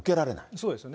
そうですね。